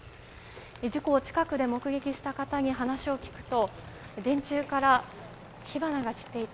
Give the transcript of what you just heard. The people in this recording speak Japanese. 事故を近くで目撃した方に話を聞くと電柱から火花が散っていた。